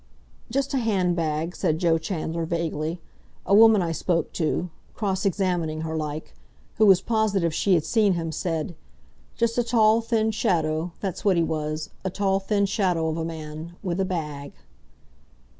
"Just a hand bag," said Joe Chandler vaguely. "A woman I spoke to—cross examining her, like—who was positive she had seen him, said, 'Just a tall, thin shadow—that's what he was, a tall, thin shadow of a man—with a bag.